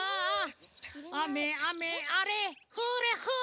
「あめあめあれふれふ」